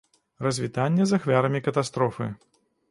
Развітанне з ахвярамі катастрофы.